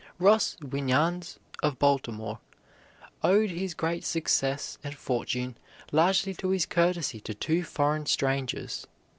Ross Winans of Baltimore owed his great success and fortune largely to his courtesy to two foreign strangers.